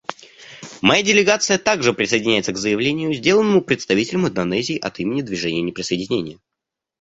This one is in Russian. Моя делегация также присоединяется к заявлению, сделанному представителем Индонезии от имени Движения неприсоединения.